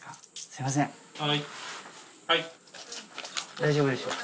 大丈夫でしょうか？